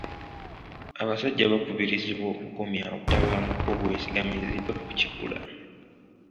Abasajja bakubirizibwa okukomya obutabanguko obwesigamiziddwa ku kikula.